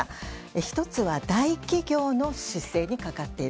１つは大企業の姿勢にかかっている。